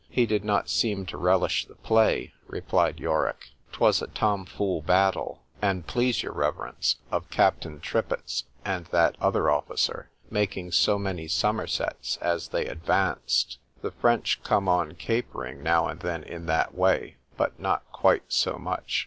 _——He did not seem to relish the play, replied Yorick.——'Twas a Tom fool battle, an' please your reverence, of captain Tripet 's and that other officer, making so many summersets, as they advanced;——the French come on capering now and then in that way,—but not quite so much.